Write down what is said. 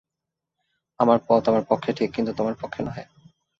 আমার পথ আমার পক্ষে ঠিক, কিন্তু তোমার পক্ষে নহে।